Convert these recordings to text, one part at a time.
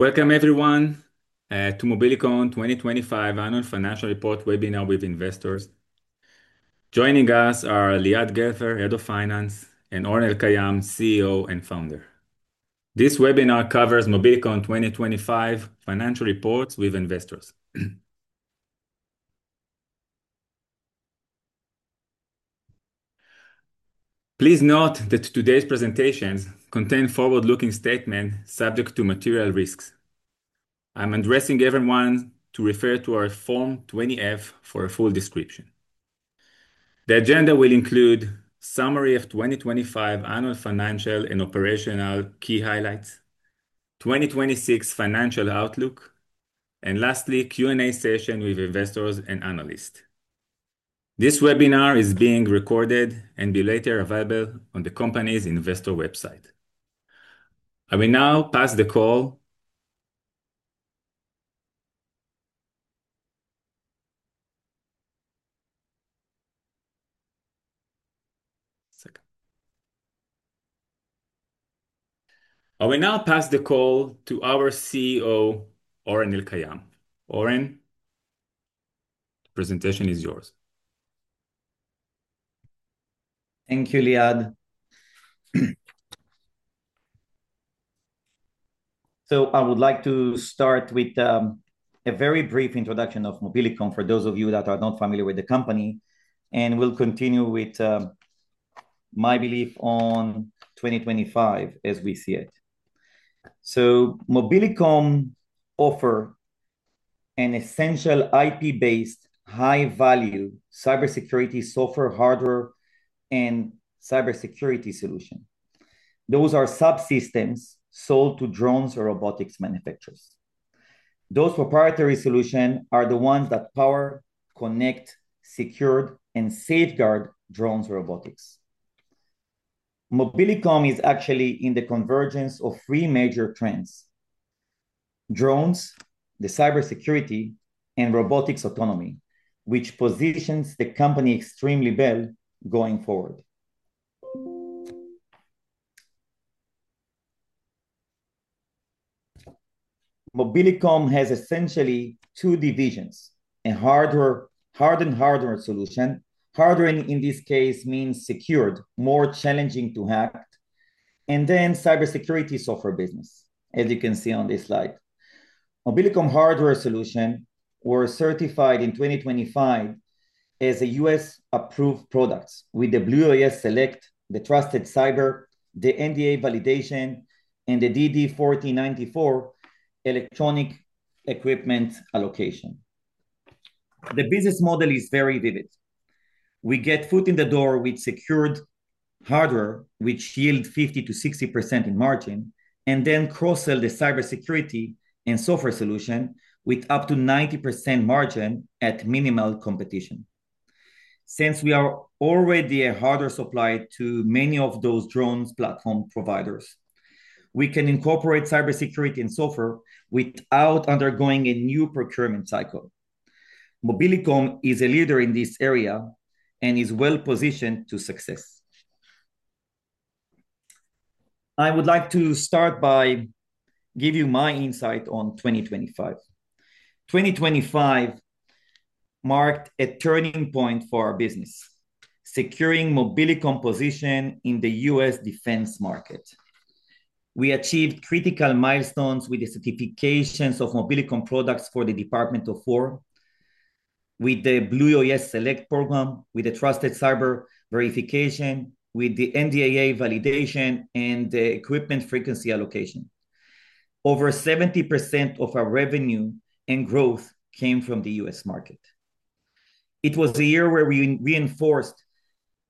Welcome everyone to Mobilicom 2025 annual financial report webinar with investors. Joining us are Liad Gelfer, Head of Finance, and Oren Elkayam, CEO and Founder. This webinar covers Mobilicom 2025 financial reports with investors. Please note that today's presentations contain forward-looking statements subject to material risks. I'm advising everyone to refer to our Form 20-F for a full description. The agenda will include summary of 2025 annual financial and operational key highlights, 2026 financial outlook, and lastly, Q&A session with investors and analysts. This webinar is being recorded and will be later available on the company's investor website. I will now pass the call to our CEO, Oren Elkayam. Oren, the presentation is yours. Thank you, Liad. I would like to start with a very brief introduction of Mobilicom for those of you that are not familiar with the company, and we'll continue with my belief on 2025 as we see it. Mobilicom offer an essential IP-based, high-value cybersecurity software, hardware, and cybersecurity solution. Those are subsystems sold to drones or robotics manufacturers. Those proprietary solution are the ones that power, connect, secure, and safeguard drones robotics. Mobilicom is actually in the convergence of three major trends: drones, the cybersecurity, and robotics autonomy, which positions the company extremely well going forward. Mobilicom has essentially two divisions: a hardened hardware solution. Hardened in this case means secured, more challenging to hack. Then cybersecurity software business, as you can see on this slide. Mobilicom hardware solution were certified in 2025 as U.S.-approved products with the Blue UAS Select, the Trusted Cyber, the NDAA validation, and the DD Form 1494 electronic equipment allocation. The business model is very viable. We get foot in the door with secured hardware, which yield 50%-60% in margin, and then cross-sell the cybersecurity and software solution with up to 90% margin at minimal competition. Since we are already a hardware supplier to many of those drones platform providers, we can incorporate cybersecurity and software without undergoing a new procurement cycle. Mobilicom is a leader in this area and is well-positioned to success. I would like to start by give you my insight on 2025. 2025 marked a turning point for our business, securing Mobilicom position in the U.S. defense market. We achieved critical milestones with the certifications of Mobilicom products for the Department of Defense, with the Blue UAS Select program, with the Trusted Cyber verification, with the NDAA validation and the equipment frequency allocation. Over 70% of our revenue and growth came from the U.S. market. It was the year where we reinforced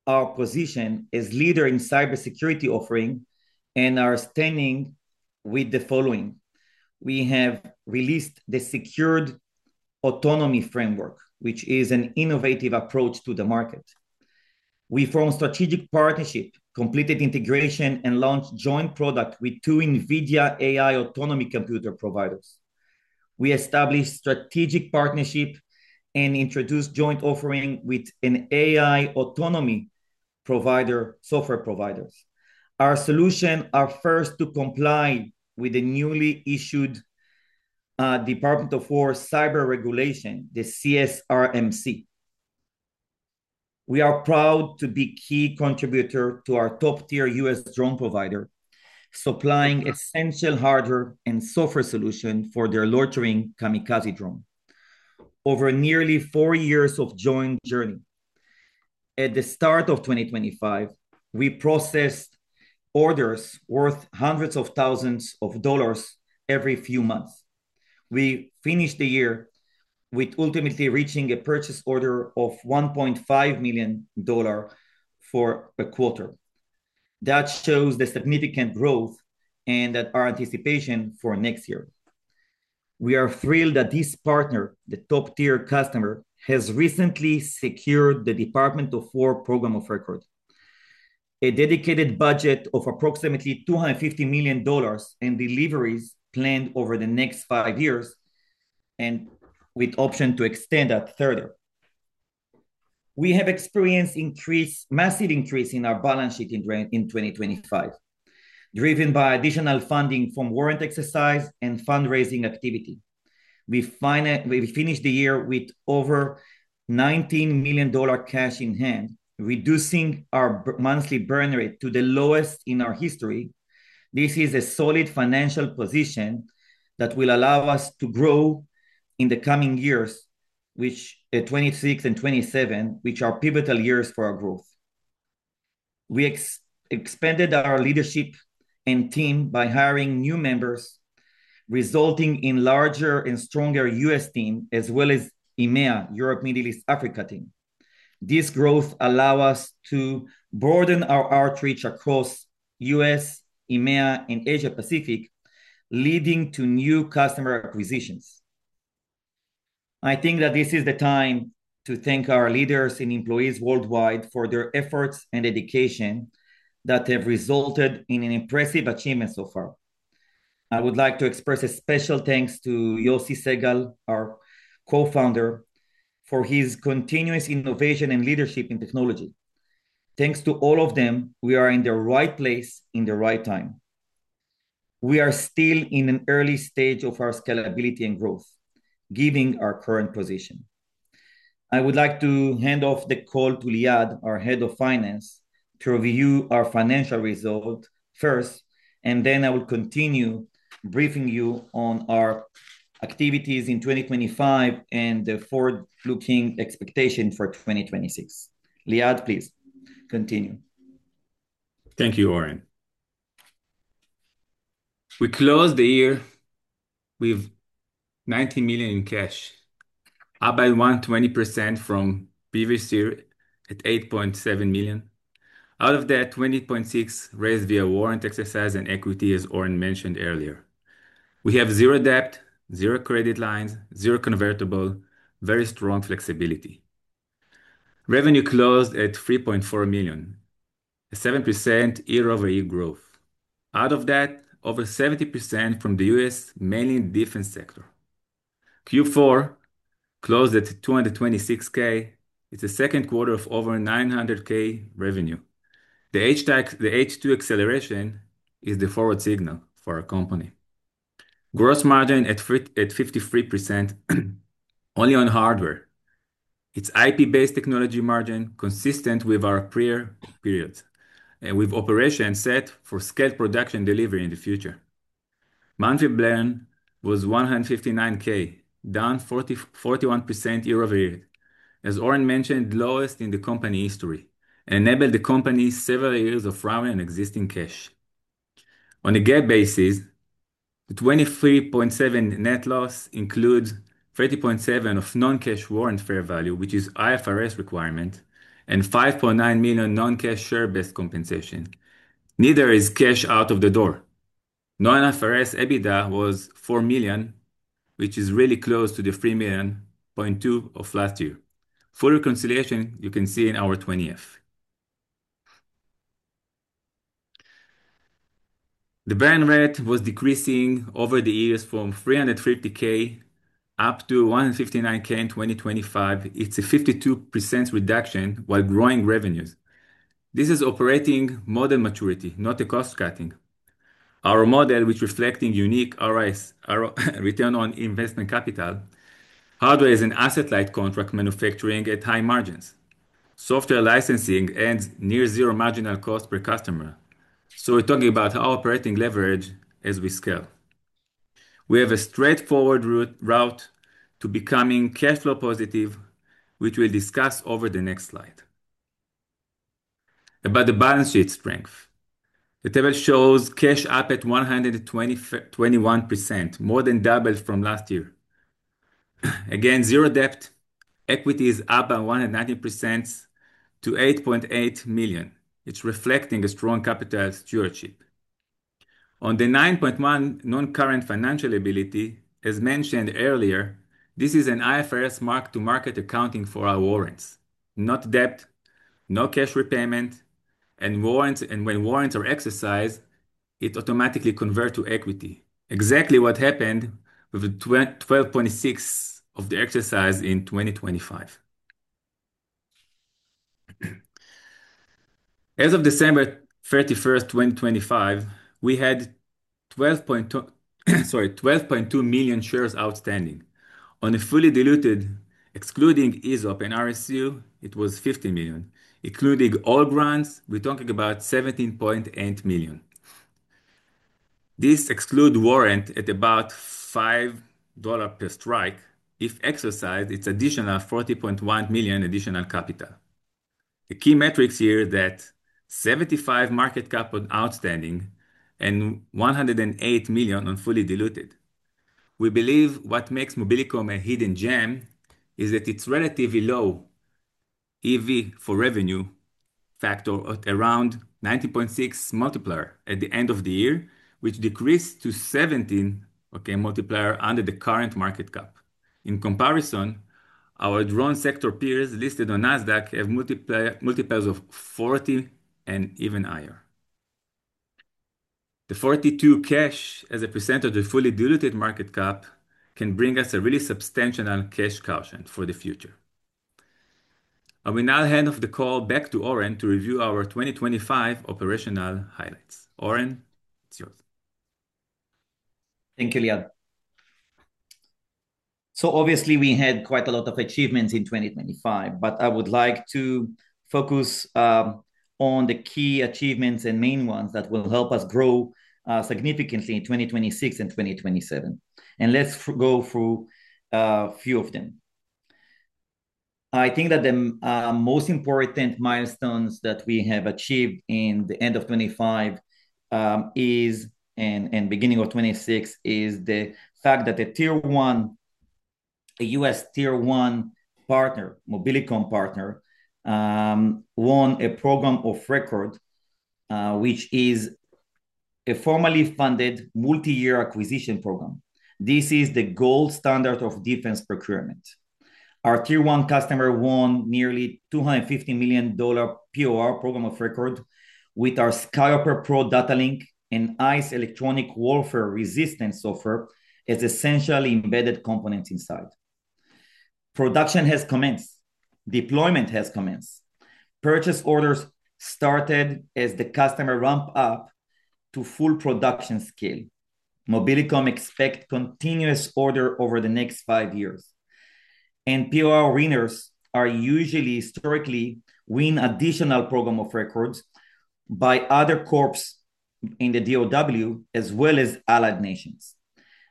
our position as leader in cybersecurity offering and our standing with the following. We have released the Secured Autonomy Framework, which is an innovative approach to the market. We formed strategic partnership, completed integration and launched joint product with two NVIDIA AI autonomy computer providers. We established strategic partnership and introduced joint offering with an AI autonomy provider, software providers. Our solution are first to comply with the newly issued, Department of Defense cyber regulation, the CSRMC. We are proud to be key contributor to our top-tier U.S. drone provider, supplying essential hardware and software solution for their loitering kamikaze drone. Over nearly four years of joint journey, at the start of 2025, we processed orders worth hundreds of thousands of dollars every few months. We finished the year with ultimately reaching a purchase order of $1.5 million for a quarter. That shows the significant growth and that our anticipation for next year. We are thrilled that this partner, the top-tier customer, has recently secured the Department of Defense program of record, a dedicated budget of approximately $250 million in deliveries planned over the next five years, and with option to extend that further. We have experienced massive increase in our balance sheet in 2025, driven by additional funding from warrant exercise and fundraising activity. We finished the year with over $19 million cash in hand, reducing our monthly burn rate to the lowest in our history. This is a solid financial position that will allow us to grow in the coming years, which 2026 and 2027, which are pivotal years for our growth. We expanded our leadership and team by hiring new members, resulting in larger and stronger U.S. team as well as EMEA, Europe, Middle East, Africa team. This growth allow us to broaden our outreach across U.S., EMEA, and Asia-Pacific, leading to new customer acquisitions. I think that this is the time to thank our leaders and employees worldwide for their efforts and dedication that have resulted in an impressive achievement so far. I would like to express a special thanks to Yossi Segal, our co-founder, for his continuous innovation and leadership in technology. Thanks to all of them, we are in the right place at the right time. We are still in an early stage of our scalability and growth, given our current position. I would like to hand off the call to Liad, our Head of Finance, to review our financial result first, and then I will continue briefing you on our activities in 2025 and the forward-looking expectation for 2026. Liad, please continue. Thank you, Oren. We closed the year with $90 million in cash, up by 120% from previous year at $8.7 million. Out of that, $20.6 million raised via warrant exercise and equity, as Oren mentioned earlier. We have zero debt, zero credit lines, zero convertible, very strong flexibility. Revenue closed at $3.4 million, a 7% year-over-year growth. Out of that, over 70% from the U.S., mainly in defense sector. Q4 closed at $226,000. It's the second quarter of over $900,000 revenue. The H2 acceleration is the forward signal for our company. Gross margin at 53% only on hardware. It's IP-based technology margin consistent with our prior periods, and with operations set for scale production delivery in the future. Monthly burn was $159,000, down 41% year-over-year. As Oren mentioned, lowest in the company history enabled the company several years of runway on existing cash. On a GAAP basis, the $23.7 million net loss includes $30.7 million of non-cash warrant fair value, which is IFRS requirement, and $5.9 million non-cash share-based compensation. Neither is cash out of the door. Non-IFRS EBITDA was $4 million, which is really close to the $3.2 million of last year. Full reconciliation you can see in our 20-F. The burn rate was decreasing over the years from $350,000 up to $159,000 in 2025. It's a 52% reduction while growing revenues. This is operating model maturity, not a cost cutting. Our model, which reflects unique ROIC, return on invested capital, hardware is an asset-light contract manufacturing at high margins. Software licensing has near zero marginal cost per customer. We're talking about our operating leverage as we scale. We have a straightforward route to becoming cash flow positive, which we'll discuss over the next slide. About the balance sheet strength. The table shows cash up at 121%, more than double from last year. Again, zero debt. Equity is up by 190% to $8.8 million. It's reflecting a strong capital stewardship. On the $9.1 non-current financial liability, as mentioned earlier, this is an IFRS mark-to-market accounting for our warrants, not debt, no cash repayment, and warrants. When warrants are exercised, it automatically convert to equity. Exactly what happened with the 12.6 of the exercise in 2025. As of December 31, 2025, we had 12.2 million shares outstanding. On a fully diluted, excluding ESOP and RSU, it was 50 million. Including all grants, we're talking about 17.8 million. This excludes warrants at about $5 per strike. If exercised, it's additional $40.1 million additional capital. The key metrics here that $75 million market cap on outstanding and $108 million on fully diluted. We believe what makes Mobilicom a hidden gem is that it's relatively low EV for revenue factor at around 90.6x multiplier at the end of the year, which decreased to 17x multiplier under the current market cap. In comparison, our drone sector peers listed on NASDAQ have multiples of 40 and even higher. The $42 cash as a percent of the fully diluted market cap can bring us a really substantial cash cushion for the future. I will now hand off the call back to Oren to review our 2025 operational highlights. Oren, it's yours. Thank you, Liad. Obviously, we had quite a lot of achievements in 2025, but I would like to focus on the key achievements and main ones that will help us grow significantly in 2026 and 2027. Let's go through a few of them. I think that the most important milestones that we have achieved in the end of 2025 and beginning of 2026 is the fact that a U.S. tier one partner, Mobilicom partner, won a program of record, which is a formally funded multiyear acquisition program. This is the gold standard of defense procurement. Our tier one customer won nearly $250 million POR, program of record, with our SkyHopper PRO data link and ICE electronic warfare resistance software as essential embedded components inside. Production has commenced. Deployment has commenced. Purchase orders started as the customer ramp up to full production scale. Mobilicom expects continuous orders over the next five years. POR winners are usually historically wins additional programs of record by other Corps in the DoW as well as allied nations.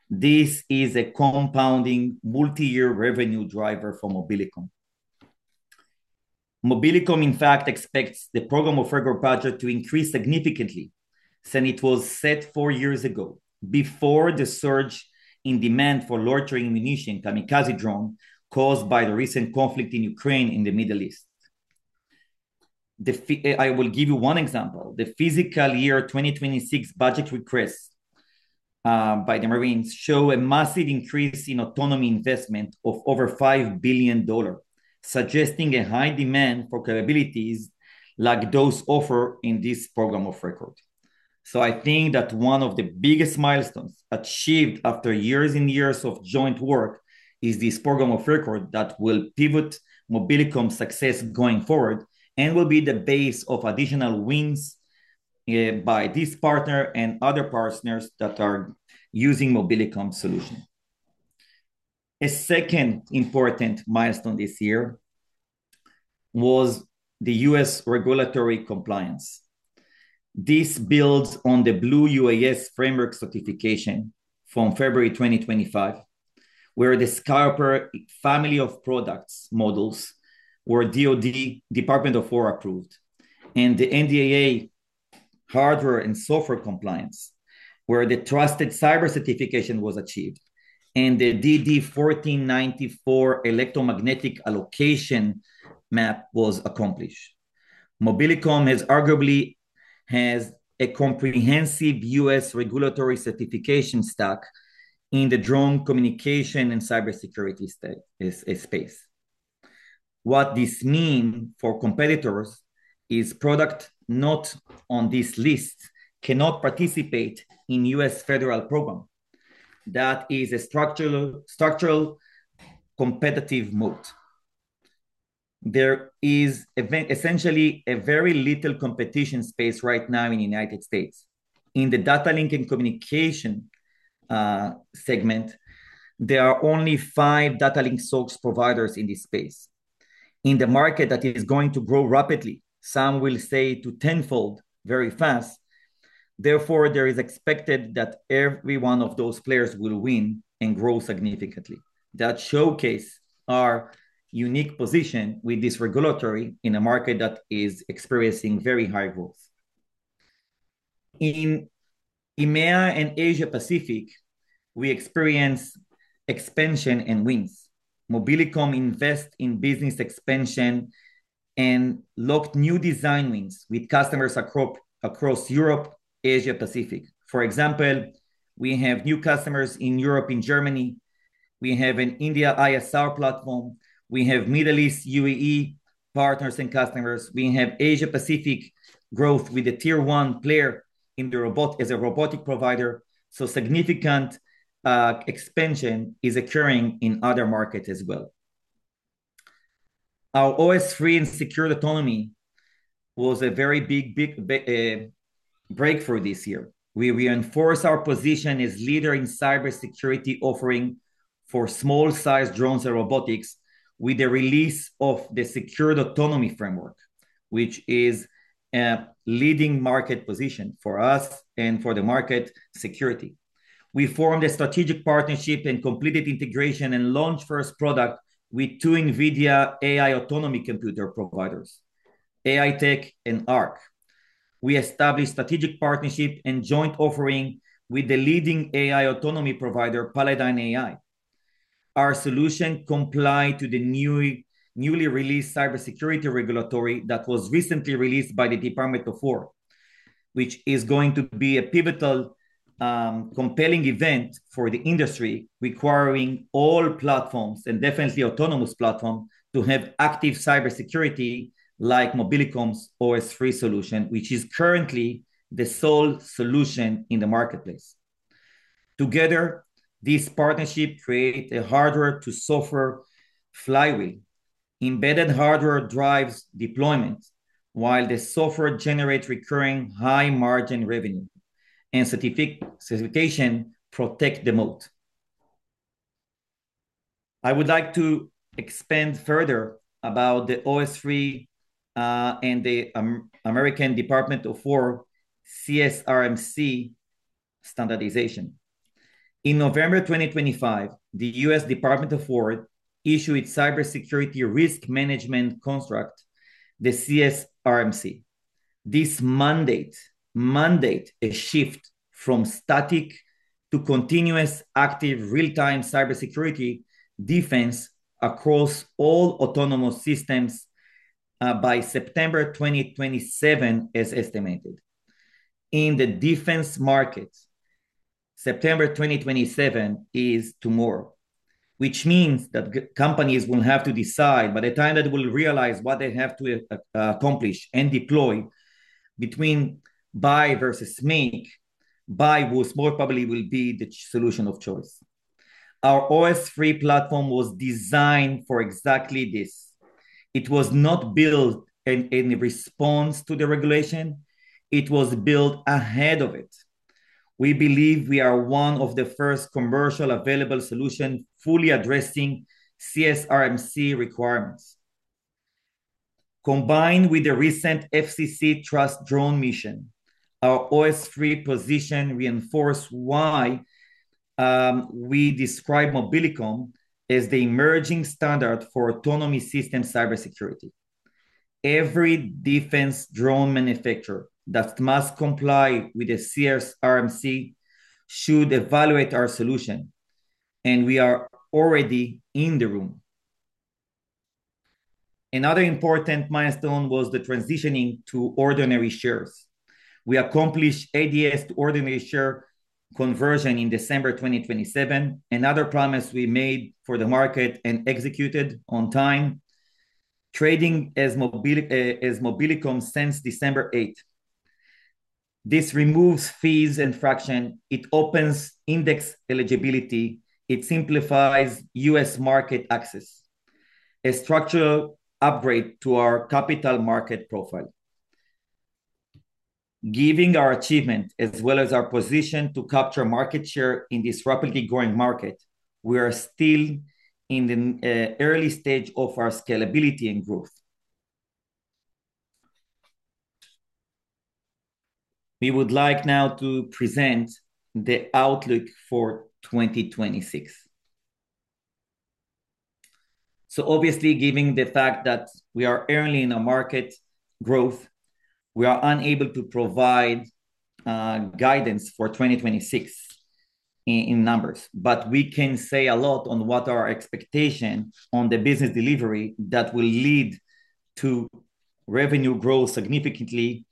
This is a compounding multiyear revenue driver for Mobilicom. Mobilicom, in fact, expects the program of record budget to increase more significantly than it was set four years ago, before the surge in demand for loitering munition kamikaze drones caused by the recent conflict in Ukraine and the Middle East. I will give you one example. The fiscal year 2026 budget request by the Marines shows a massive increase in autonomy investment of over $5 billion, suggesting a high demand for capabilities like those offered in this program of record. I think that one of the biggest milestones achieved after years and years of joint work is this program of record that will pivot Mobilicom success going forward and will be the base of additional wins by this partner and other partners that are using Mobilicom solution. A second important milestone this year was the U.S. regulatory compliance. This builds on the Blue UAS Framework certification from February 2025, where the SkyHopper family of products models were DoD Department of Defense approved, and the NDAA hardware and software compliance, where the Trusted Cyber certification was achieved, and the DD Form 1494 electromagnetic allocation map was accomplished. Mobilicom arguably has a comprehensive U.S. regulatory certification stack in the drone communication and cybersecurity space. What this means for competitors is products not on this list cannot participate in U.S. federal programs. That is a structural competitive moat. There is essentially a very little competition space right now in United States. In the data link and communication segment, there are only five data link SOF providers in this space. In the market that is going to grow rapidly, some will say to tenfold very fast. Therefore, there is expected that every one of those players will win and grow significantly. That showcase our unique position with this regulatory in a market that is experiencing very high growth. In EMEA and Asia Pacific, we experience expansion and wins. Mobilicom invest in business expansion and landed new design wins with customers across Europe, Asia Pacific. For example, we have new customers in Europe, in Germany. We have an India ISR platform. We have Middle East UAE partners and customers. We have Asia Pacific growth with a tier one player in the robotics as a robotic provider. Significant expansion is occurring in other markets as well. Our OS3 and Secured Autonomy was a very big breakthrough this year. We reinforced our position as leader in cybersecurity offering for small-sized drones and robotics with the release of the Secured Autonomy framework, which is a leading market position for us and for the market security. We formed a strategic partnership and completed integration and launched first product with two NVIDIA AI autonomy computer providers, Aitech and ARK. We established strategic partnership and joint offering with the leading AI autonomy provider, Palladyne AI. Our solution comply to the new, newly released cybersecurity regulatory that was recently released by the Department of Defense, which is going to be a pivotal compelling event for the industry requiring all platforms, and definitely autonomous platform, to have active cybersecurity like Mobilicom's OS3 solution, which is currently the sole solution in the marketplace. Together, this partnership create a hardware to software flywheel. Embedded hardware drives deployment, while the software generates recurring high margin revenue, and certification protect the moat. I would like to expand further about the OS3, and the American Department of Defense CSRMC standardization. In November 2025, the U.S. Department of Defense issued cybersecurity risk management construct, the CSRMC. This mandate a shift from static to continuous active real time cybersecurity defense across all autonomous systems, by September 2027 as estimated. In the defense market, September 2027 is tomorrow, which means that g-companies will have to decide, by the time that they will realize what they have to accomplish and deploy between buy versus make, buy most probably will be the choice solution of choice. Our OS3 platform was designed for exactly this. It was not built in response to the regulation. It was built ahead of it. We believe we are one of the first commercially available solution fully addressing CSRMC requirements. Combined with the recent FCC Trusted Drones, our OS3 position reinforce why we describe Mobilicom as the emerging standard for autonomy system cybersecurity. Every defense drone manufacturer that must comply with the CSRMC should evaluate our solution, and we are already in the room. Another important milestone was the transitioning to ordinary shares. We accomplished ADS to ordinary share conversion in December 2027. Another promise we made for the market and executed on time, trading as Mobilicom since December 8. This removes fees and friction. It opens index eligibility. It simplifies U.S. market access. A structural upgrade to our capital market profile. Given our achievement, as well as our position to capture market share in this rapidly growing market, we are still in the early stage of our scalability and growth. We would like now to present the outlook for 2026. Obviously, given the fact that we are early in a market growth, we are unable to provide guidance for 2026 in numbers, but we can say a lot on what our expectation on the business delivery that will lead to revenue growth significantly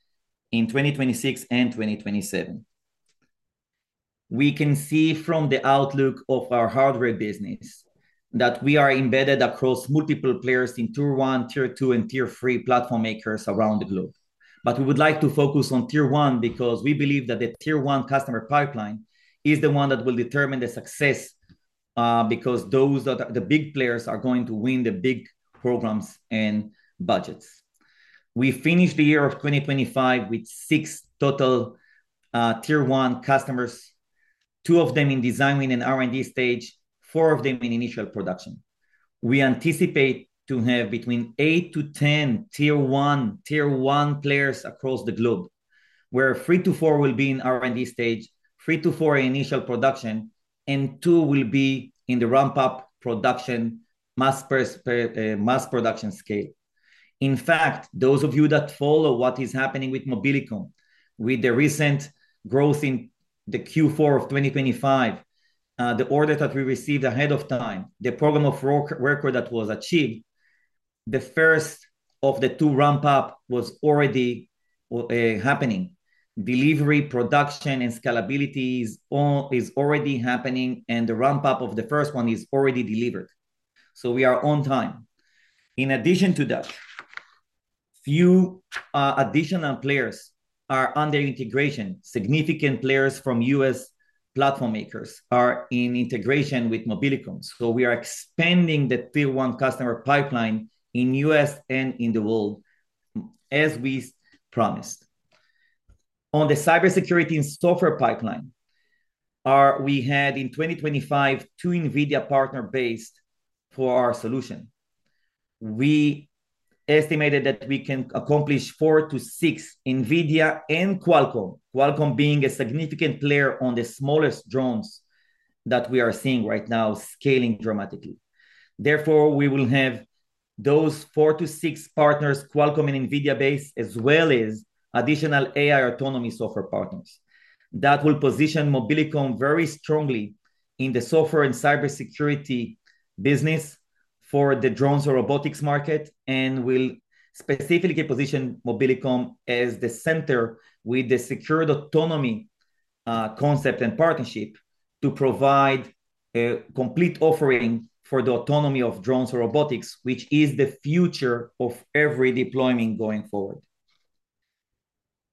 in 2026 and 2027. We can see from the outlook of our hardware business that we are embedded across multiple players in tier one, tier two, and tier three platform makers around the globe. We would like to focus on tier one because we believe that the tier one customer pipeline is the one that will determine the success, because those are the big players are going to win the big programs and budgets. We finished the year of 2025 with six total tier one customers, two of them in design win and R&D stage, four of them in initial production. We anticipate to have between 8-10 tier one players across the globe, where three to four will be in R&D stage, three to four are in initial production, and two will be in the ramp-up production mass production scale. In fact, those of you that follow what is happening with Mobilicom, with the recent growth in the Q4 of 2025, the order that we received ahead of time, the program of record that was achieved, the first of the two ramp-up was already happening. Delivery, production, and scalability is already happening, and the ramp-up of the first one is already delivered, so we are on time. In addition to that, few additional players are under integration. Significant players from U.S. platform makers are in integration with Mobilicom. We are expanding the tier one customer pipeline in the U.S. and in the world, as we promised. On the cybersecurity and software pipeline, we had in 2025 two NVIDIA partner-based for our solution. We estimated that we can accomplish four NVIDIA and Qualcomm being a significant player on the smallest drones that we are seeing right now scaling dramatically. Therefore, we will have those four to six partners, Qualcomm- and NVIDIA-based, as well as additional AI autonomy software partners. That will position Mobilicom very strongly in the software and cybersecurity business for the drones or robotics market, and will specifically position Mobilicom as the center with the Secured Autonomy concept and partnership to provide a complete offering for the autonomy of drones or robotics, which is the future of every deployment going forward.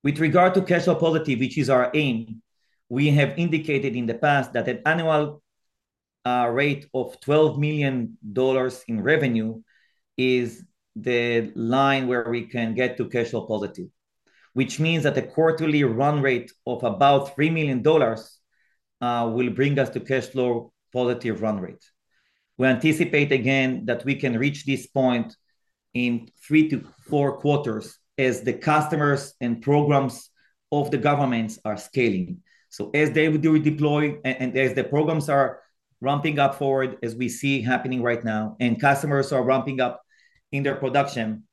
With regard to cash flow positive, which is our aim, we have indicated in the past that an annual rate of $12 million in revenue is the line where we can get to cash flow positive. Which means that the quarterly run rate of about $3 million will bring us to cash flow positive run rate. We anticipate again that we can reach this point in three to four quarters as the customers and programs of the governments are scaling. As they do deploy and as the programs are ramping up forward as we see happening right now, and customers are ramping up in their production,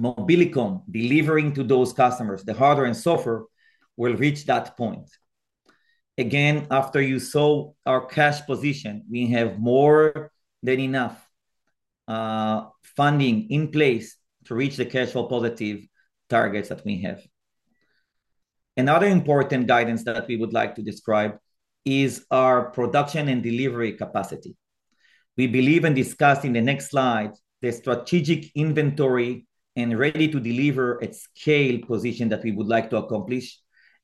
Mobilicom delivering to those customers the hardware and software will reach that point. Again, after you saw our cash position, we have more than enough funding in place to reach the cash flow positive targets that we have. Another important guidance that we would like to describe is our production and delivery capacity. We believe and discuss in the next slide the strategic inventory and ready to deliver at scale position that we would like to accomplish,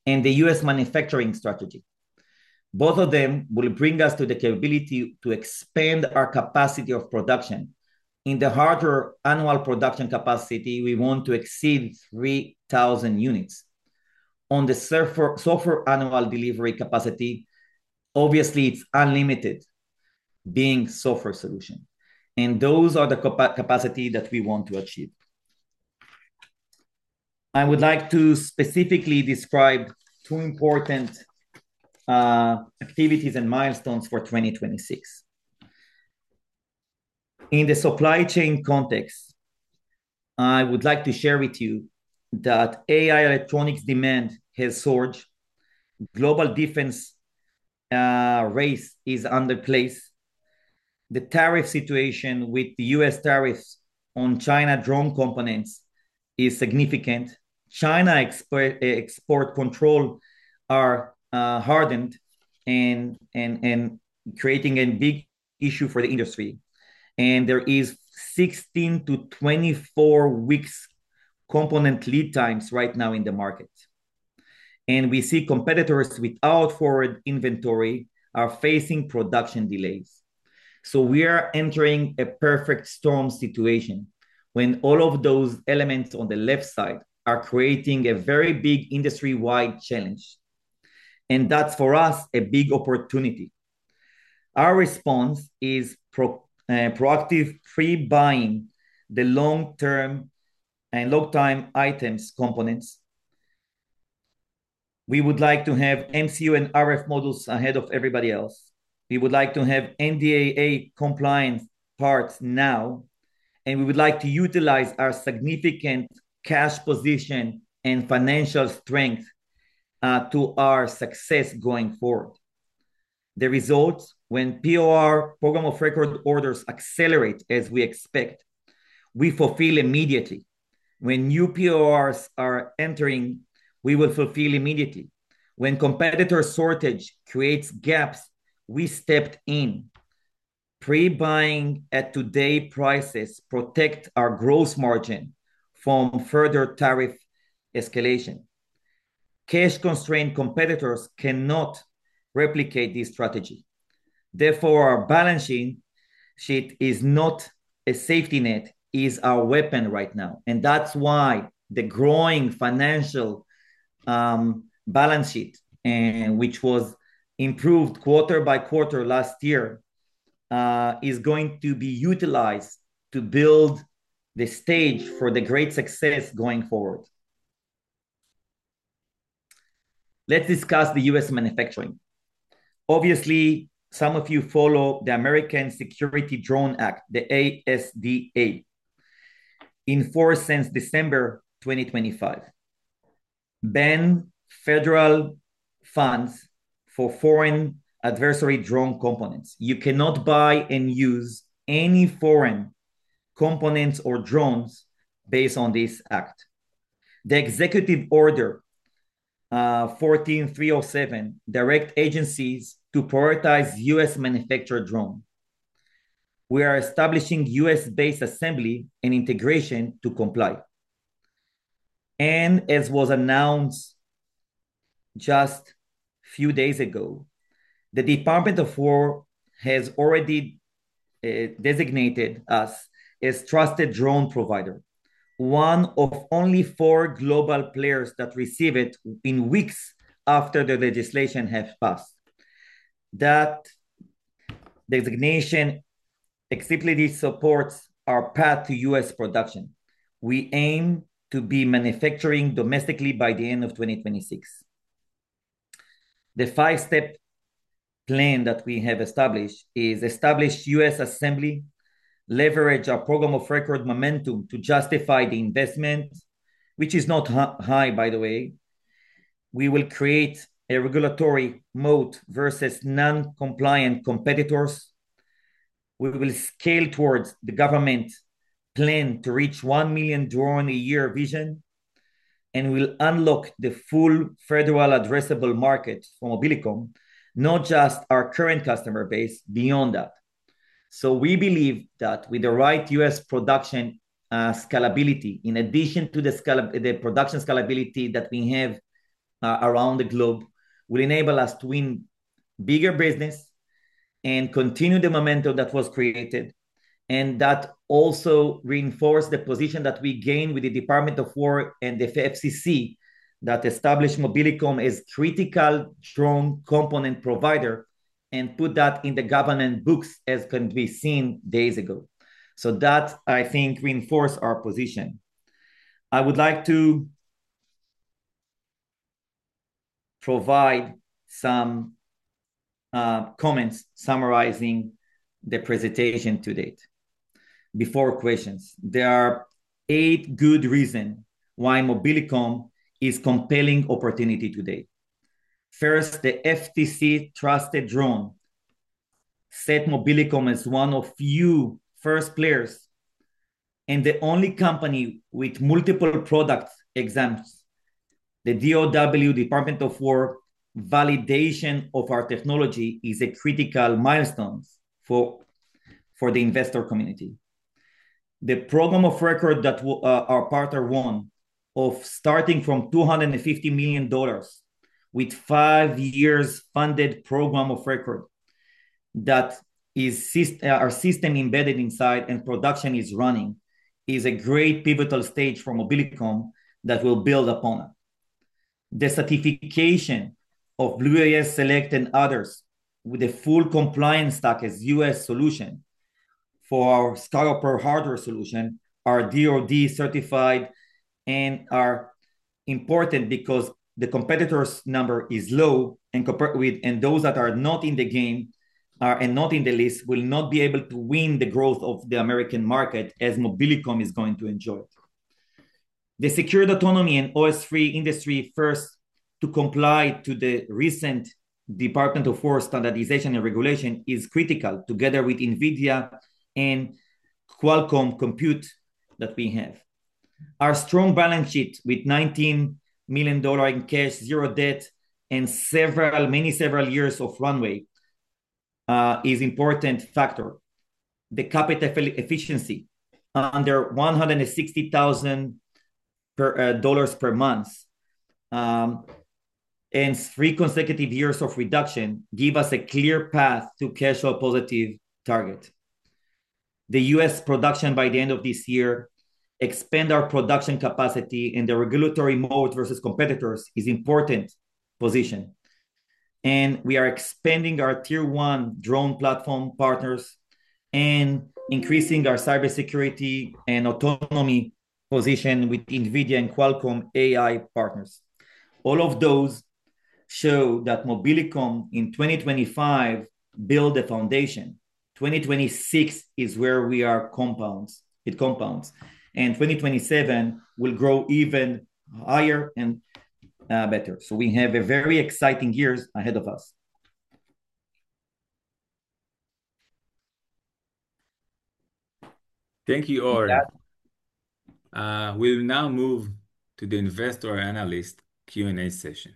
and the U.S. manufacturing strategy. Both of them will bring us to the capability to expand our capacity of production. In the hardware annual production capacity, we want to exceed 3,000 units. On the software annual delivery capacity, obviously it's unlimited, being software solution. Those are the capacity that we want to achieve. I would like to specifically describe two important activities and milestones for 2026. In the supply chain context, I would like to share with you that AI electronics demand has surged. Global defense race is underway. The tariff situation with the U.S. tariffs on China drone components is significant. China export controls are hardened and creating a big issue for the industry, and there is 16-24 weeks component lead times right now in the market. We see competitors without forward inventory are facing production delays. We are entering a perfect storm situation, when all of those elements on the left side are creating a very big industry-wide challenge, and that's for us a big opportunity. Our response is proactive pre-buying the long-lead time items components. We would like to have MCU and RF models ahead of everybody else. We would like to have NDAA compliant parts now, and we would like to utilize our significant cash position and financial strength to our success going forward. The results when POR, program of record, orders accelerate as we expect, we fulfill immediately. When new PORs are entering, we will fulfill immediately. When competitor shortage creates gaps, we stepped in. Pre-buying at today prices protect our gross margin from further tariff escalation. Cash-constrained competitors cannot replicate this strategy. Therefore, our balance sheet is not a safety net, it's our weapon right now, and that's why the growing financial balance sheet, and which was improved quarter by quarter last year, is going to be utilized to build the stage for the great success going forward. Let's discuss the U.S. manufacturing. Obviously, some of you follow the American Security Drone Act, the ASDA, in force since December 2025. Ban federal funds for foreign adversary drone components. You cannot buy and use any foreign components or drones based on this act. The executive order, fourteen three oh seven, direct agencies to prioritize U.S. manufactured drone. We are establishing U.S.-based assembly and integration to comply. As was announced just few days ago, the Department of Defense has already designated us as trusted drone provider, one of only four global players that receive it in weeks after the legislation have passed. That designation explicitly supports our path to U.S. production. We aim to be manufacturing domestically by the end of 2026. The five-step plan that we have established is establish U.S. assembly, leverage our program of record momentum to justify the investment, which is not high, by the way. We will create a regulatory moat versus non-compliant competitors. We will scale towards the government plan to reach 1 million drone a year vision, and we'll unlock the full federal addressable market for Mobilicom, not just our current customer base, beyond that. We believe that with the right U.S. production, scalability, in addition to the production scalability that we have around the globe, will enable us to win bigger business and continue the momentum that was created, and that also reinforce the position that we gained with the Department of Defense and the FCC, that established Mobilicom as critical, strong component provider, and put that in the government books as can be seen days ago. That, I think, reinforce our position. I would like to provide some comments summarizing the presentation to date, before questions. There are eight good reasons why Mobilicom is a compelling opportunity today. First, the FCC Trusted Drones set Mobilicom as one of the few first players, and the only company with multiple products exempt. The DoD, Department of Defense, validation of our technology is a critical milestone for the investor community. The program of record that our partner won of starting from $250 million with five years funded program of record, that is our system-embedded inside and production is running, is a great pivotal stage for Mobilicom that we'll build upon. The certification of Blue UAS Select and others with the full compliance stack as U.S. solution for our SkyHopper hardware solution are DoD-certified, and are important because the competitors' number is low, and with those that are not in the game and not in the list will not be able to win the growth of the American market as Mobilicom is going to enjoy. The secured autonomy and OS3 industry first to comply to the recent Department of Defense standardization and regulation is critical, together with NVIDIA and Qualcomm compute that we have. Our strong balance sheet with $19 million in cash, zero debt, and several years of runway is important factor. The capital efficiency, under $160,000 per month, and three consecutive years of reduction give us a clear path to cash flow positive target. The U.S. production by the end of this year expand our production capacity, and the regulatory moat versus competitors is important position. We are expanding our tier one drone platform partners and increasing our cybersecurity and autonomy position with NVIDIA and Qualcomm AI partners. All of those show that Mobilicom in 2025 build a foundation. 2026 is where it compounds. 2027 will grow even higher and better. We have a very exciting years ahead of us. Thank you, Oren. With that. We'll now move to the investor analyst Q&A session.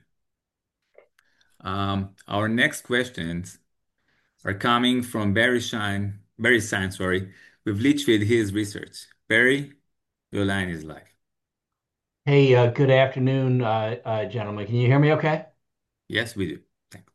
Our next questions are coming from Barry Sine, sorry, with Litchfield Hills Research. Barry, your line is live. Hey, good afternoon, gentlemen. Can you hear me okay? Yes, we do. Thank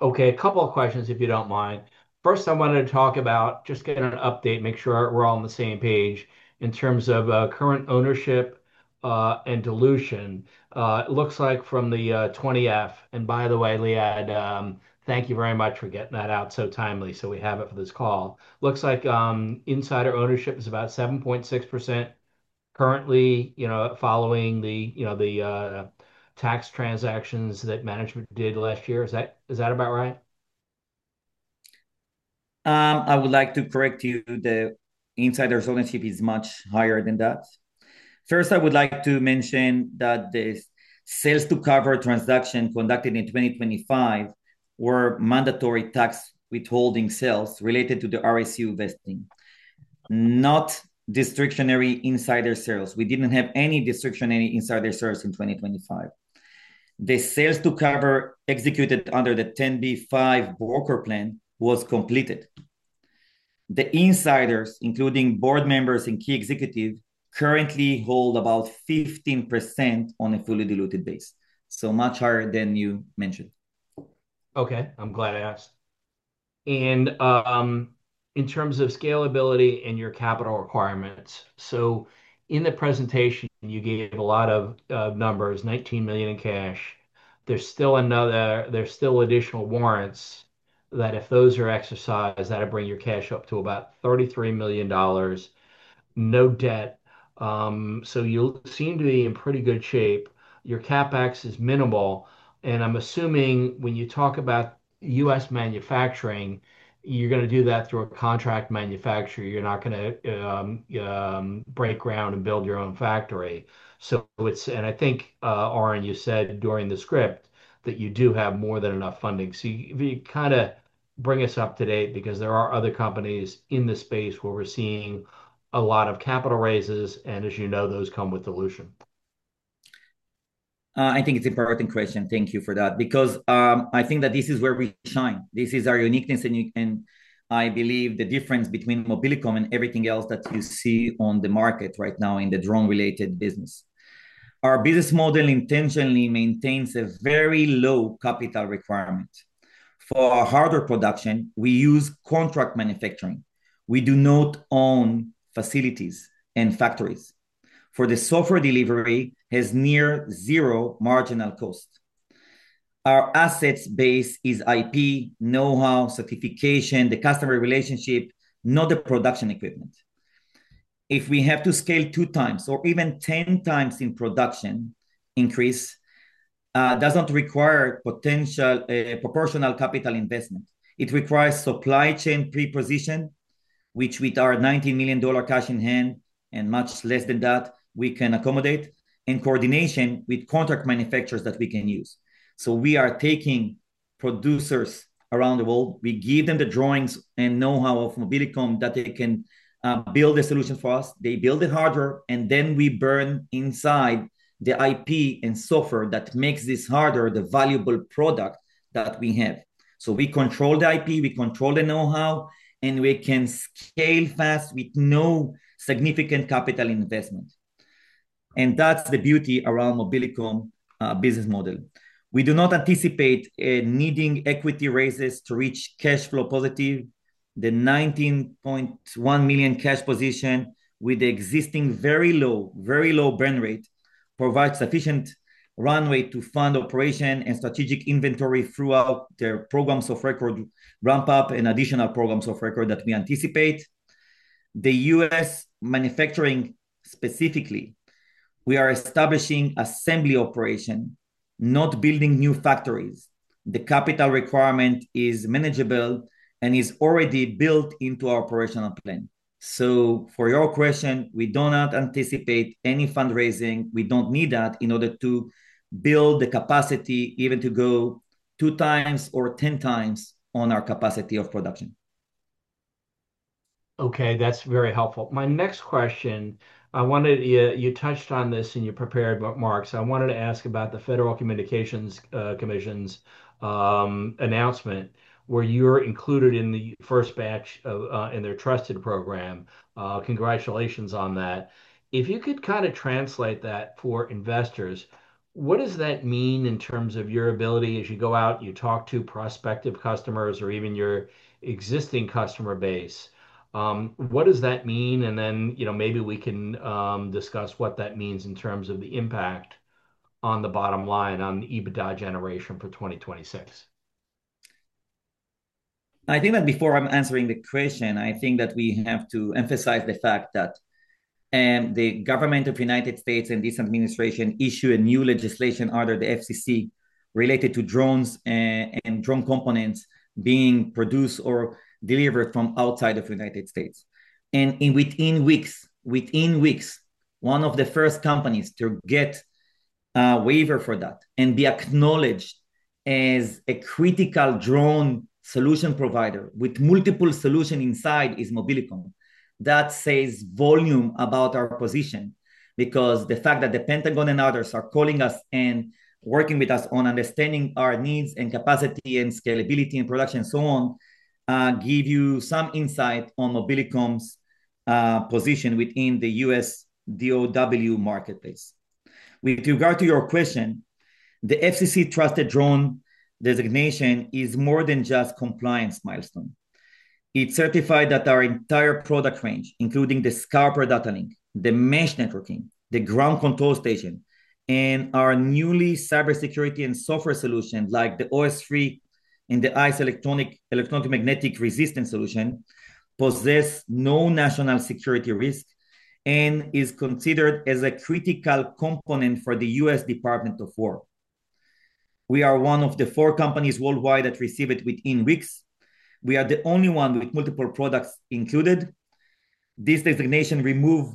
you. Okay, a couple of questions if you don't mind. First, I wanted to talk about just getting an update, make sure we're all on the same page in terms of current ownership and dilution. It looks like from the 20-F, and by the way, Liad, thank you very much for getting that out so timely so we have it for this call. Looks like insider ownership is about 7.6% currently, you know, following the tax transactions that management did last year. Is that about right? I would like to correct you. The insiders' ownership is much higher than that. First, I would like to mention that the sales to cover transaction conducted in 2025 were mandatory tax withholding sales related to the RSU vesting, not discretionary insider sales. We didn't have any discretionary insider sales in 2025. The sales to cover executed under the 10b5-1 broker plan was completed. The insiders, including board members and key executive, currently hold about 15% on a fully diluted basis, so much higher than you mentioned. Okay, I'm glad I asked. In terms of scalability and your capital requirements, in the presentation you gave a lot of numbers, $19 million in cash. There's still additional warrants that if those are exercised, that'll bring your cash up to about $33 million. No debt, you'll seem to be in pretty good shape. Your CapEx is minimal, and I'm assuming when you talk about U.S. manufacturing, you're gonna do that through a contract manufacturer. You're not gonna break ground and build your own factory. It's. I think, Oren, you said during the script that you do have more than enough funding. If you kinda bring us up to date, because there are other companies in this space where we're seeing a lot of capital raises, and as you know, those come with dilution. I think it's an important question, thank you for that, because I think that this is where we shine. This is our uniqueness and I believe the difference between Mobilicom and everything else that you see on the market right now in the drone-related business. Our business model intentionally maintains a very low capital requirement. For our hardware production, we use contract manufacturing. We do not own facilities and factories, for the software delivery has near zero marginal cost. Our assets base is IP, know-how, certification, the customer relationship, not the production equipment. If we have to scale 2x or even 10x in production increase, does not require potentially a proportional capital investment. It requires supply chain pre-position, which with our $19 million cash in hand, and much less than that we can accommodate, in coordination with contract manufacturers that we can use. We are taking producers around the world, we give them the drawings and know-how of Mobilicom that they can build a solution for us. They build the hardware, and then we burn inside the IP and software that makes this hardware the valuable product that we have. We control the IP, we control the know-how, and we can scale fast with no significant capital investment, and that's the beauty around Mobilicom business model. We do not anticipate needing equity raises to reach cash flow positive. The $19.1 million cash position with the existing very low burn rate provides sufficient runway to fund operation and strategic inventory throughout the programs of record ramp up and additional programs of record that we anticipate. The U.S. manufacturing specifically, we are establishing assembly operation, not building new factories. The capital requirement is manageable and is already built into our operational plan. For your question, we do not anticipate any fundraising. We don't need that in order to build the capacity even to go 2 times or 10 times on our capacity of production. Okay, that's very helpful. My next question. You touched on this in your prepared remarks. I wanted to ask about the Federal Communications Commission's announcement, where you're included in the first batch in their trusted program. Congratulations on that. If you could kind of translate that for investors, what does that mean in terms of your ability as you go out, you talk to prospective customers or even your existing customer base? What does that mean? You know, maybe we can discuss what that means in terms of the impact on the bottom line on the EBITDA generation for 2026. I think that before I'm answering the question, we have to emphasize the fact that the government of the United States and this administration issue a new legislation under the FCC related to drones and drone components being produced or delivered from outside of the United States. Within weeks, one of the first companies to get a waiver for that and be acknowledged as a critical drone solution provider with multiple solution inside is Mobilicom. That says volumes about our position, because the fact that the Pentagon and others are calling us and working with us on understanding our needs and capacity and scalability and production and so on give you some insight on Mobilicom's position within the U.S. drone marketplace. With regard to your question, the FCC Trusted Drone designation is more than just compliance milestone. It certified that our entire product range, including the SkyHopper PRO data link, the mesh networking, the ground control station, and our newly cybersecurity and software solution like the OS3 and the ICE electronic, electromagnetic resistance solution, possess no national security risk and is considered as a critical component for the U.S. Department of Defense. We are one of the four companies worldwide that receive it within weeks. We are the only one with multiple products included. This designation remove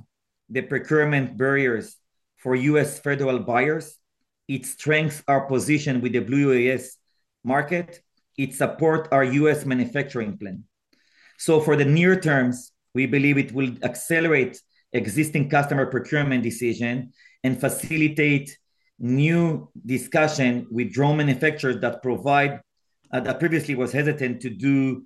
the procurement barriers for U.S. federal buyers. It strengths our position with the Blue UAS market. It support our U.S. manufacturing plan. For the near terms, we believe it will accelerate existing customer procurement decision and facilitate new discussion with drone manufacturers that provide that previously was hesitant to do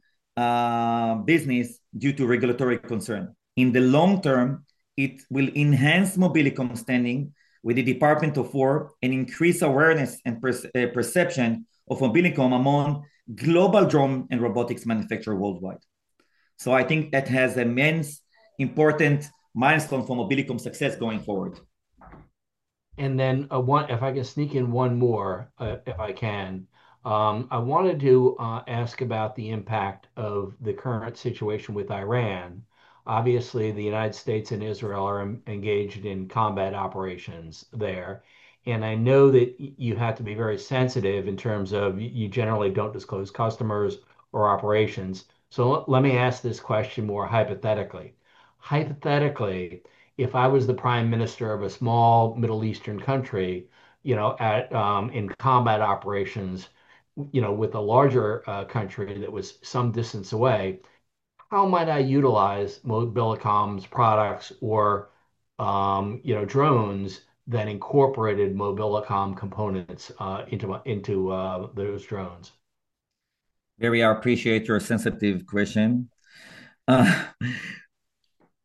business due to regulatory concern. In the long term, it will enhance Mobilicom standing with the Department of Defense and increase awareness and perception of Mobilicom among global drone and robotics manufacturer worldwide. I think that has immense important milestone for Mobilicom success going forward. If I can sneak in one more. I wanted to ask about the impact of the current situation with Iran. Obviously, the United States and Israel are engaged in combat operations there, and I know that you have to be very sensitive in terms of you generally don't disclose customers or operations. Let me ask this question more hypothetically. Hypothetically, if I was the prime minister of a small Middle Eastern country, you know, in combat operations, you know, with a larger country that was some distance away, how might I utilize Mobilicom's products or, you know, drones that incorporated Mobilicom components into those drones? Barry, I appreciate your sensitive question. I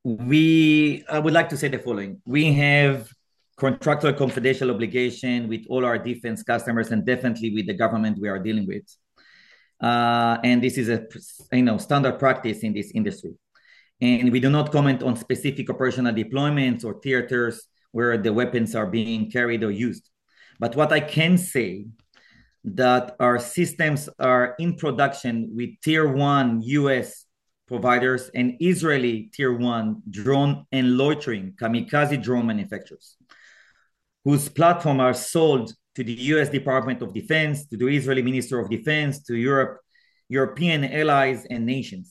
would like to say the following. We have contractor confidential obligation with all our defense customers and definitely with the government we are dealing with. This is, you know, standard practice in this industry. We do not comment on specific operational deployments or theaters where the weapons are being carried or used. What I can say that our systems are in production with tier one U.S. providers and Israeli tier one drone and loitering kamikaze drone manufacturers, whose platform are sold to the U.S. Department of Defense, to the Israeli Ministry of Defense, to European allies and nations.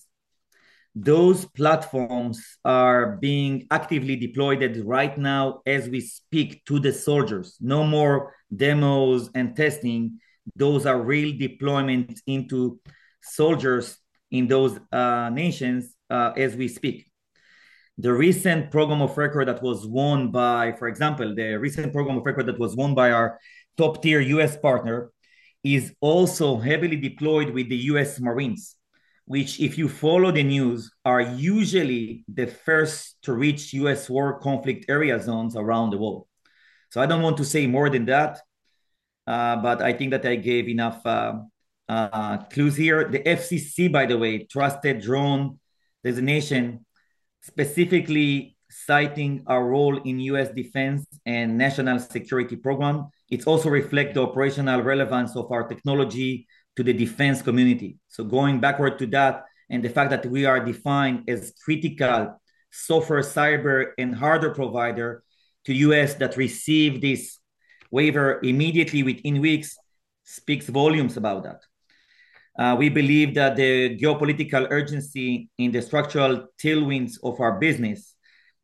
Those platforms are being actively deployed right now as we speak to the soldiers. No more demos and testing. Those are real deployments to soldiers in those nations, as we speak. The recent program of record that was won by our top-tier U.S. partner is also heavily deployed with the U.S. Marines, which if you follow the news, are usually the first to reach U.S. war conflict area zones around the world. I don't want to say more than that, but I think that I gave enough clues here. The FCC, by the way, Trusted Drones designation, specifically citing our role in U.S. defense and national security program. It also reflect the operational relevance of our technology to the defense community. Going backward to that and the fact that we are defined as critical software, cyber and hardware provider to U.S. that receive this waiver immediately within weeks speaks volumes about that. We believe that the geopolitical urgency in the structural tailwinds of our business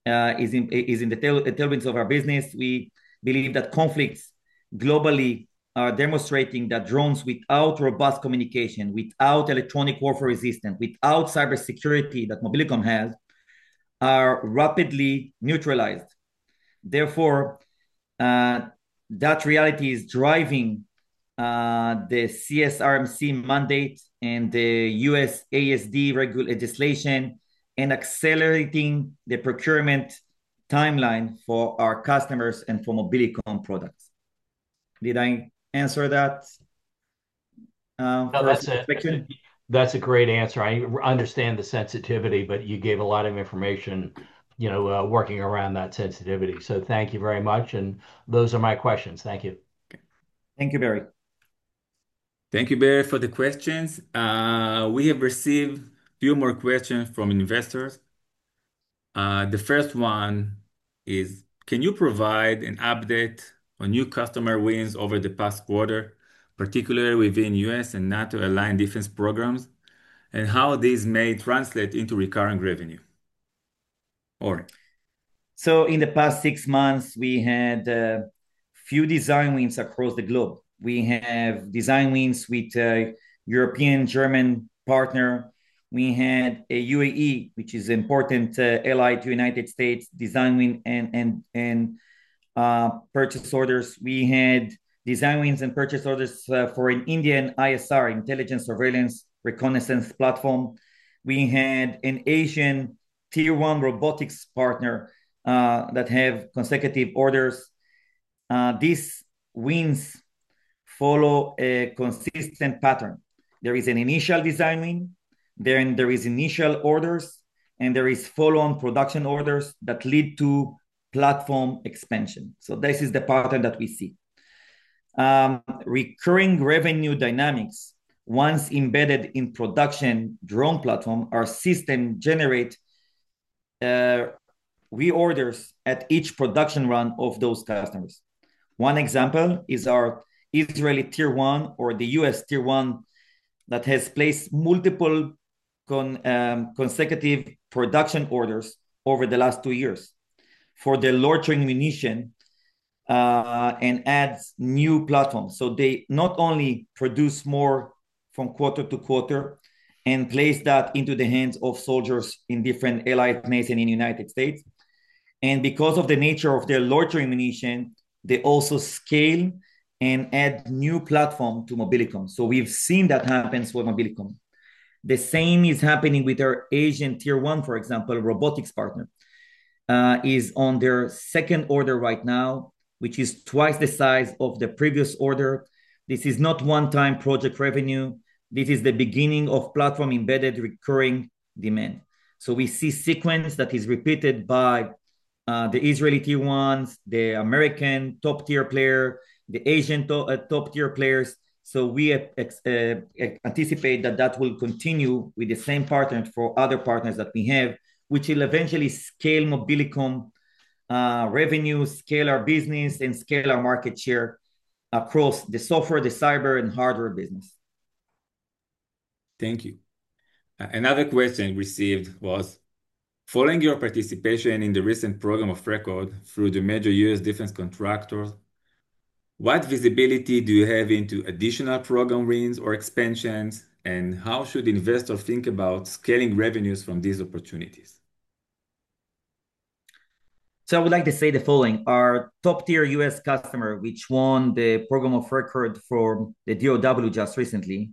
is in the tailwinds of our business. We believe that conflicts globally are demonstrating that drones without robust communication, without electronic warfare resistance, without cybersecurity that Mobilicom has, are rapidly neutralized. Therefore, that reality is driving the CSRMC mandate and the U.S. ASDA legislation and accelerating the procurement timeline for our customers and for Mobilicom products. Did I answer that for satisfaction? No, that's a great answer. I understand the sensitivity, but you gave a lot of information, you know, working around that sensitivity. Thank you very much, and those are my questions. Thank you. Thank you, Barry. Thank you, Barry, for the questions. We have received few more questions from investors. The first one is, can you provide an update on new customer wins over the past quarter, particularly within U.S. and NATO aligned defense programs, and how these may translate into recurring revenue? Oren. In the past six months, we had a few design wins across the globe. We have design wins with a European German partner. We had a UAE, which is important ally to United States, design win and purchase orders. We had design wins and purchase orders for an Indian ISR, intelligence surveillance reconnaissance platform. We had an Asian tier one robotics partner that have consecutive orders. These wins follow a consistent pattern. There is an initial design win, then there is initial orders, and there is follow-on production orders that lead to platform expansion. This is the pattern that we see. Recurring revenue dynamics. Once embedded in production drone platform, our system generate reorders at each production run of those customers. One example is our Israeli tier one or the U.S. tier one that has placed multiple consecutive production orders over the last two years for the loitering munition, and adds new platforms. They not only produce more from quarter to quarter and place that into the hands of soldiers in different allied nation in United States, and because of the nature of their loitering munition, they also scale and add new platform to Mobilicom. We've seen that happens with Mobilicom. The same is happening with our Asian tier one, for example, robotics partner, is on their second order right now, which is twice the size of the previous order. This is not one-time project revenue. This is the beginning of platform embedded recurring demand. We see sequence that is repeated by the Israeli tier ones, the American top-tier player, the Asian top-tier players. We anticipate that will continue with the same partners, for other partners that we have, which will eventually scale Mobilicom revenue, scale our business and scale our market share across the software, the cyber and hardware business. Thank you. Another question received was, following your participation in the recent program of record through the major U.S. defense contractors, what visibility do you have into additional program wins or expansions, and how should investors think about scaling revenues from these opportunities? I would like to say the following. Our top tier U.S. customer, which won the program of record for the DoW just recently,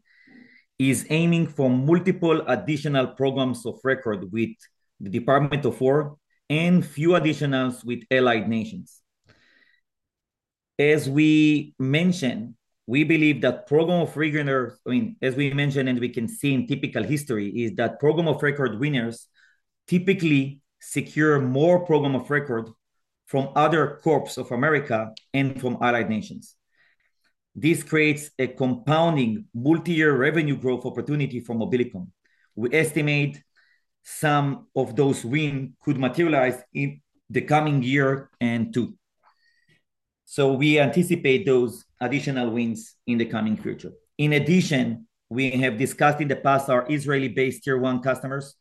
is aiming for multiple additional programs of record with the Department of Defense and few additionals with allied nations. As we mentioned, we believe that, as we mentioned and we can see in typical history, program of record winners typically secure more program of record from other corps of America and from allied nations. This creates a compounding multi-year revenue growth opportunity for Mobilicom. We estimate some of those win could materialize in the coming year and two. We anticipate those additional wins in the coming future. In addition, we have discussed in the past our Israeli-based tier one customers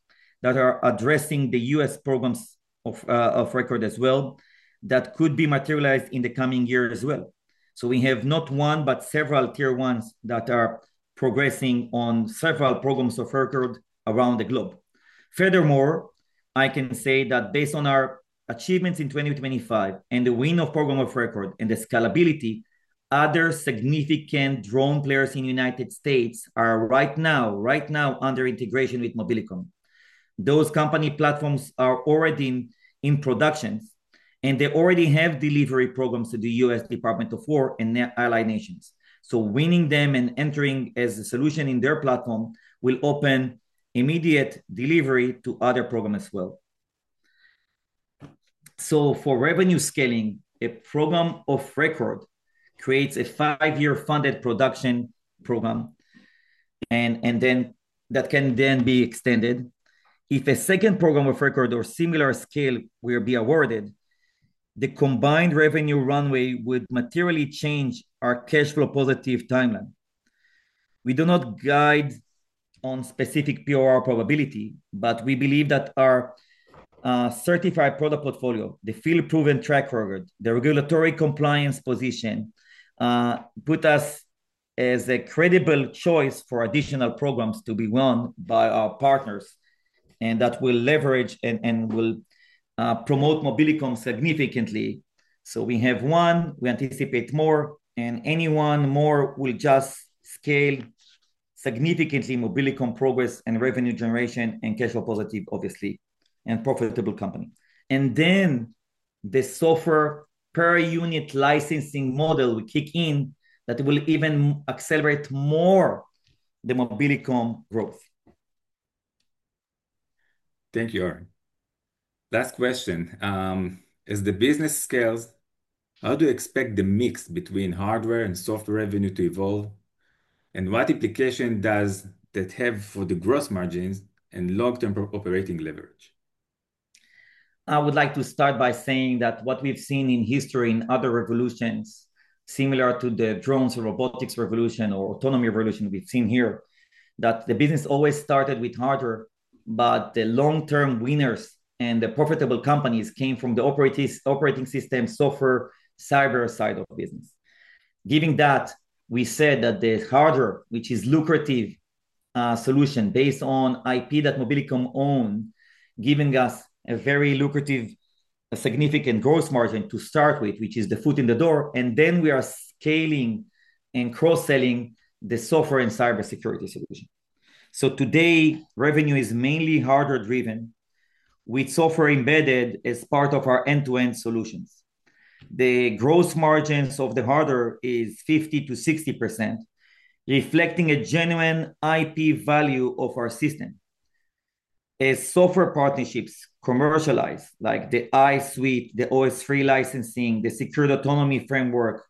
that are addressing the U.S. Programs of record as well that could be materialized in the coming year as well. We have not one, but several tier ones that are progressing on several programs of record around the globe. Furthermore, I can say that based on our achievements in 2025, and the win of program of record and the scalability, other significant drone players in the United States are right now under integration with Mobilicom. Those company platforms are already in production, and they already have delivery programs to the U.S. Department of Defense and their allied nations. Winning them and entering as a solution in their platform will open immediate delivery to other programs as well. For revenue scaling, a program of record creates a 5-year funded production program and then that can be extended. If a second program of record or similar scale will be awarded, the combined revenue runway would materially change our cash flow positive timeline. We do not guide on specific POR probability, but we believe that our certified product portfolio, the field proven track record, the regulatory compliance position put us as a credible choice for additional programs to be won by our partners, and that will leverage and will promote Mobilicom significantly. We have one, we anticipate more, and any one more will just scale significantly Mobilicom progress and revenue generation and cash flow positive obviously, and profitable company. Then the software per unit licensing model will kick in that will even accelerate more the Mobilicom growth. Thank you, Oren. Last question. As the business scales, how do you expect the mix between hardware and software revenue to evolve? What implication does that have for the gross margins and long-term pure operating leverage? I would like to start by saying that what we've seen in history in other revolutions similar to the drones or robotics revolution or autonomy revolution we've seen here, that the business always started with hardware, but the long-term winners and the profitable companies came from the operating system software cyber side of business. Given that, we said that the hardware, which is lucrative, solution based on IP that Mobilicom own, giving us a very lucrative, a significant gross margin to start with, which is the foot in the door, and then we are scaling and cross-selling the software and cyber security solution. Today, revenue is mainly hardware driven, with software embedded as part of our end-to-end solutions. The gross margins of the hardware is 50%-60%, reflecting a genuine IP value of our system. As software partnerships commercialize, like the ICE Suite, the OS3 licensing, the Secured Autonomy Framework,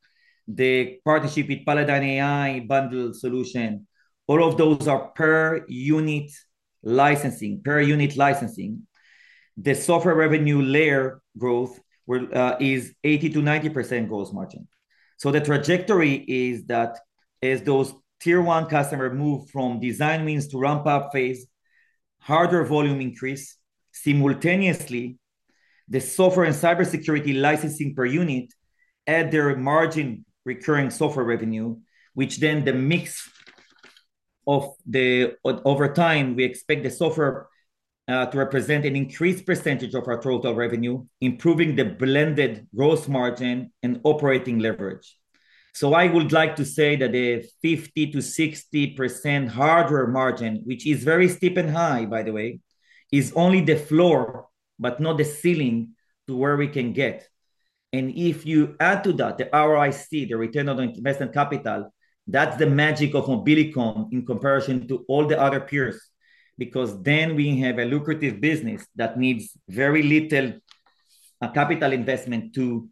the partnership with Palladyne AI bundle solution, all of those are per unit licensing. The software revenue layer growth will is 80%-90% gross margin. The trajectory is that as those tier one customer move from design wins to ramp-up phase, hardware volume increase, simultaneously the software and cybersecurity licensing per unit add their margin recurring software revenue, which then the mix over time, we expect the software to represent an increased percentage of our total revenue, improving the blended gross margin and operating leverage. I would like to say that a 50%-60% hardware margin, which is very steep and high by the way, is only the floor, but not the ceiling to where we can get. If you add to that the ROIC, the return on investment capital, that's the magic of Mobilicom in comparison to all the other peers, because then we have a lucrative business that needs very little capital investment to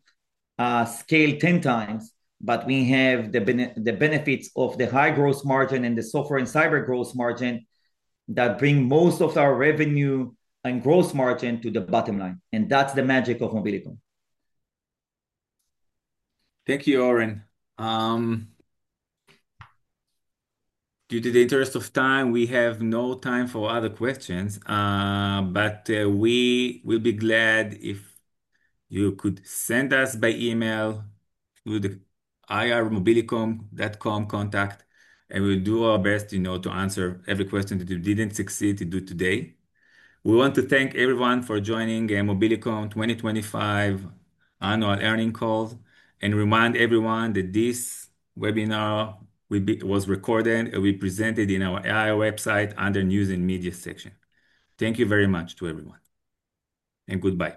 scale 10 times, but we have the benefits of the high gross margin and the software and cyber gross margin that bring most of our revenue and gross margin to the bottom line, and that's the magic of Mobilicom. Thank you, Oren. In the interest of time, we have no time for other questions. We will be glad if you could send us by email to the ir@mobilicom.com contact, and we'll do our best, you know, to answer every question that you didn't succeed to do today. We want to thank everyone for joining Mobilicom 2025 annual earnings call, and remind everyone that this webinar will be recorded and will be presented in our IR website under News and Media section. Thank you very much to everyone, and goodbye.